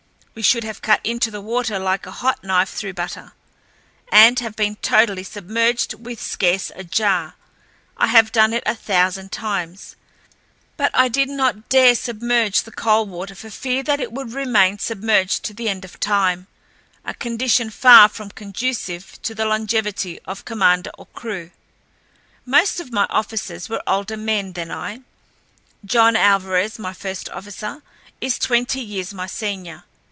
We should have cut into the water like a hot knife through butter, and have been totally submerged with scarce a jar—I have done it a thousand times—but I did not dare submerge the Coldwater for fear that it would remain submerged to the end of time—a condition far from conducive to the longevity of commander or crew. Most of my officers were older men than I. John Alvarez, my first officer, is twenty years my senior.